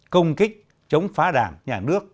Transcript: công kích chống phá đảng nhà nước